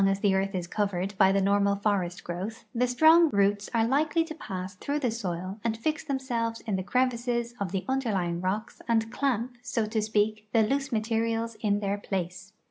as the earth is covered hy the normal forest growth the strong roots are likely to pass through the soil and fix themselves in the crevices of the underlying rocks and clamp, so to speak, the loose materials in their place.